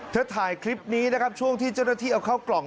ถ่ายคลิปนี้นะครับช่วงที่เจ้าหน้าที่เอาเข้ากล่อง